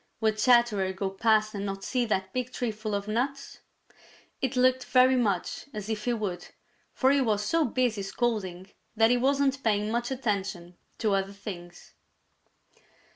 Would Chatterer go past and not see that big tree full of nuts? It looked very much as if he would, for he was so busy scolding that he wasn't paying much attention to other things.